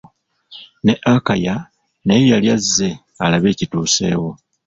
Ne Akaya naye yali azze alabe ekituusewo.